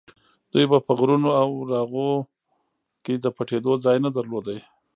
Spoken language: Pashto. دوی به په غرونو او راغو کې د پټېدو ځای نه درلود.